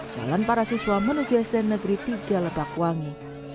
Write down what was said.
jalan para siswa menuju sd negeri tiga lebak wangi